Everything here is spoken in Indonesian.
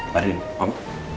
mari din om